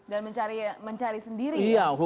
dan mencari sendiri ya